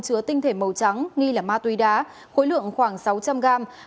chứa tinh thể màu trắng nghi là ma túy đá khối lượng khoảng sáu trăm linh gram